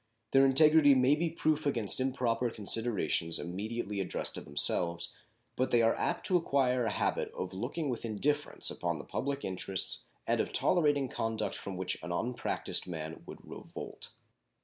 Their integrity may be proof against improper considerations immediately addressed to themselves, but they are apt to acquire a habit of looking with indifference upon the public interests and of tolerating conduct from which an unpracticed man would revolt.